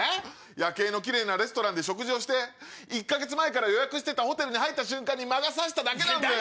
夜景のキレイなレストランで食事をして１か月前から予約してたホテルに入った瞬間に魔が差しただけなんだよ。